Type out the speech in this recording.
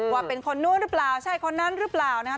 ว่าเป็นคนนู้นหรือเปล่าใช่คนนั้นหรือเปล่านะครับ